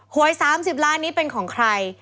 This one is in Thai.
หวย๓๐ล้านนี้เป็นของใคร